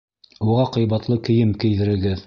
Уға ҡыйбатлы кейем кейҙерегеҙ.